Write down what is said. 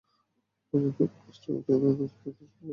তুমি নিজেও জানো না তুমি কি বলছ!